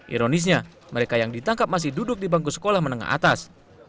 ironisnya mereka yang ditangkap masih duduk di bangku sekolah menengah atas